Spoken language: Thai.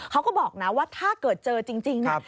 เขาก็บอกนะว่าถ้าเกิดเจอจริงเนี่ย